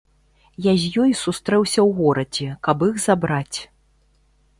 Я з ёй сустрэўся ў горадзе, каб іх забраць.